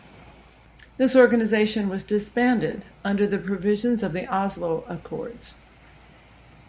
This organisation was disbanded under the provisions of the Oslo Accords.